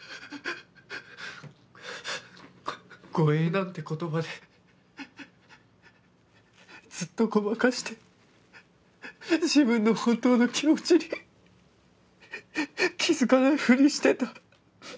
護衛なんて言葉でずっとごまかして自分の本当の気持ちに気付かないふりしてた。